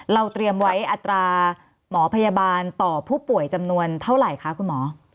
เราเตรียมไว้อัตราหมอพยาบาลต่อผู้ป่วยจำนวนเท่าไหร่คะคุณหมอ